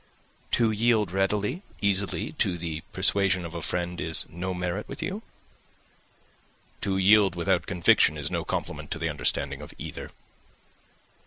"To yield readily easily to the persuasion of a friend is no merit with you." "To yield without conviction is no compliment to the understanding of either."